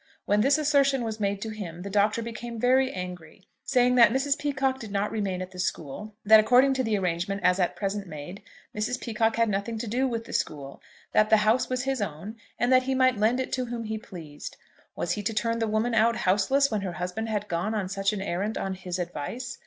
When this assertion was made to him the Doctor became very angry, saying that Mrs. Peacocke did not remain at the school; that, according to the arrangement as at present made, Mrs. Peacocke had nothing to do with the school; that the house was his own, and that he might lend it to whom he pleased. Was he to turn the woman out houseless, when her husband had gone, on such an errand, on his advice?